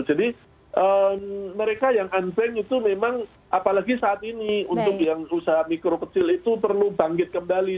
jadi mereka yang angbeng itu memang apalagi saat ini untuk yang usaha mikro kecil itu perlu bangkit kembali